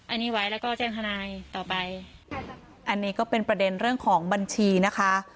อันนี้ไว้แล้วก็แจ้งทนายต่อไปอันนี้ก็เป็นประเด็นเรื่องของบัญชีนะคะ